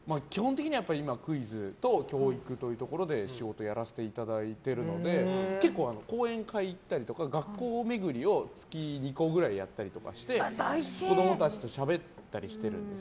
クイズと教育というところで仕事をやらせていただいてるところで結構、講演会に行ったりとか学校巡りを月２校くらいやったりして子供たちとしゃべったりしてるんです。